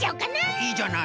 いいじゃない。